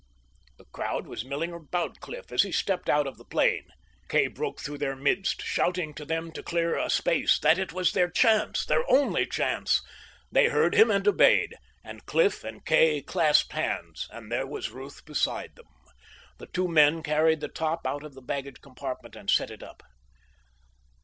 The crowd was milling about Cliff as he stepped out of the plane. Kay broke through their midst, shouting to them to clear a space, that it was their chance, their only chance. They heard him and obeyed. And Cliff and Kay clasped hands, and there was Ruth beside them. The two men carried the top out of the baggage compartment and set it up.